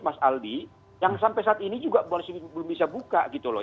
mas aldi yang sampai saat ini juga belum bisa buka gitu loh